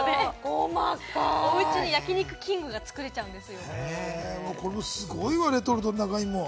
おうちに焼肉きんぐが作れちゃうんです。